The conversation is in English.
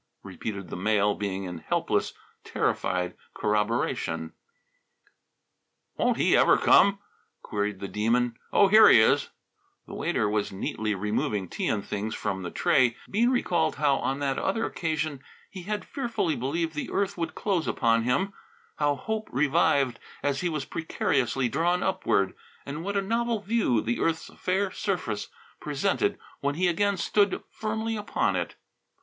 repeated the male being in helpless, terrified corroboration. "Won't he ever come?" queried the Demon. "Oh, here he is!" The waiter was neatly removing tea and things from the tray. Bean recalled how on that other occasion he had fearfully believed the earth would close upon him, how hope revived as he was precariously drawn upward, and what a novel view the earth's fair surface presented when he again stood firmly upon it.